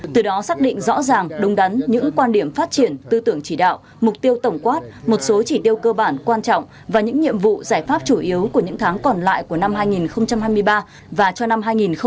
từ đó xác định rõ ràng đúng đắn những quan điểm phát triển tư tưởng chỉ đạo mục tiêu tổng quát một số chỉ tiêu cơ bản quan trọng và những nhiệm vụ giải pháp chủ yếu của những tháng còn lại của năm hai nghìn hai mươi ba và cho năm hai nghìn hai mươi bốn